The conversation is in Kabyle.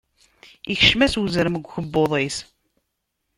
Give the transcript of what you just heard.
Ikcem-as uzrem deg ukebbuḍ-is.